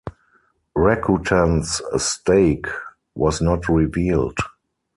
Rakuten's stake was not revealed.